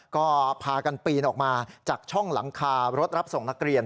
ก็พากันปีนออกมาจากช่องหลังคารถรับส่งนักเรียน